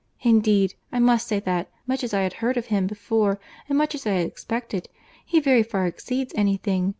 Indeed I must say that, much as I had heard of him before and much as I had expected, he very far exceeds any thing....